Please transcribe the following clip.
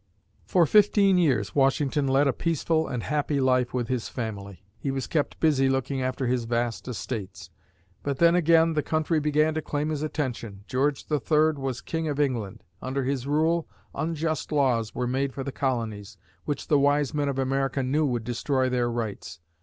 For fifteen years, Washington led a peaceful and happy life with his family. He was kept busy looking after his vast estates. But then again, the country began to claim his attention. George III was King of England. Under his rule, unjust laws were made for the colonies, which the wise men of America knew would destroy their rights.